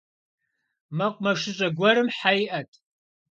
Мэкъумэшыщӏэ гуэрым хьэ иӏэт.